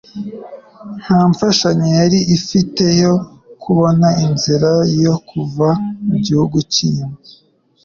nta mfashanyo yari ifite yo kubona inzira yo kuva mu gihugu cyinyuma.